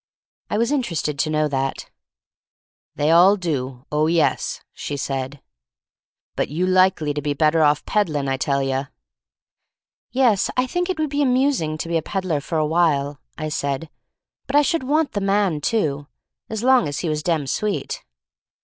I was interested to know that. "They all do — oh, yes," she said. f 308 THE STORY OF MARY MAC LANE "But you likely to be better off peddlin', I tell you." "Yes, I think it would be amusing to be a peddler for 2t while," I said. "But I should want the man, too, as long as he was dem sweet."